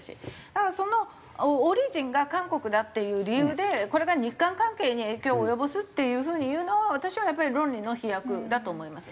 だからそのオリジンが韓国だっていう理由でこれが日韓関係に影響を及ぼすっていう風に言うのは私はやっぱり論理の飛躍だと思います。